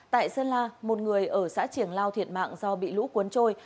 tại sơn la một người ở xã triển lao thiệt mạng do bị lũ cuốn trôi